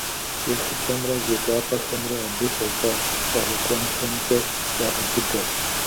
ЕхыпӀэмрэ зекӀуапӀэхэмрэ абы хуэщӀа щӀэгъэкъуэнхэмкӀэ ягъэбыдэ.